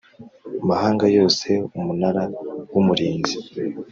mahanga yose Umunara w Umurinzi